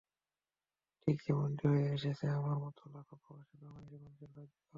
ঠিক যেমনটি হয়ে এসেছে আমার মতো লাখো প্রবাসী বাংলাদেশি মানুষের ভাগ্য।